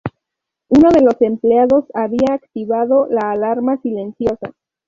Uno de los empleados había activado la alarma silenciosa.